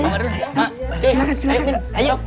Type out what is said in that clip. masuk ke dalam